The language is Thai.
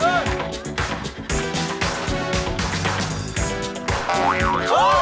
อยากถูกเย็น